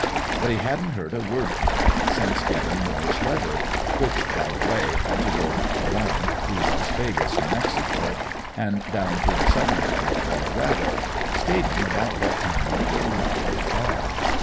But he hadn't heard a word from it, since getting Moore's letter which, by the way, had to go around through Las Vegas, New Mexico, and down through the southern part of Colorado stating about what time it would arrive in Dodge.